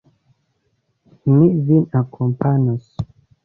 Mi vin akompanas.